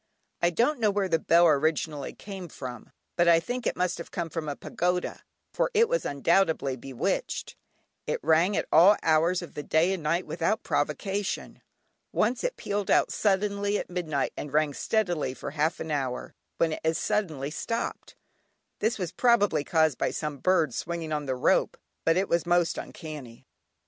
I don't know where the bell originally came from, but I think it must have come from a pagoda, for it was undoubtedly bewitched. It rang at all hours of the day and night without provocation. Once it pealed out suddenly at midnight and rang steadily for half an hour, when it as suddenly stopped. This was probably caused by some birds swinging on the rope, but it was most uncanny.